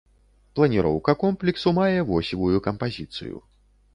Планіроўка комплексу мае восевую кампазіцыю.